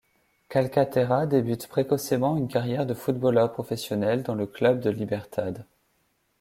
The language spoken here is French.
Calcaterra débute précocement une carrière de footballeur professionnel, dans le club de Libertad.